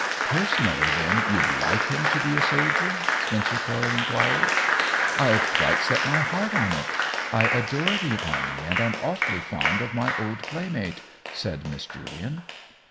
" Personally, then, you'd like him to be a soldier ?" Spencer Coyle inquired. " IVe quite set my heart on it. I adore the army, and Tm awfully fond of my old playmate," said Miss Julian.